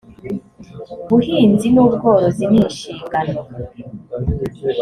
buhinzi n ubworozi n inshingano